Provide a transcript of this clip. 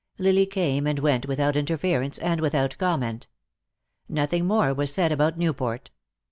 Lily came and went without interference, and without comment. Nothing more was said about Newport.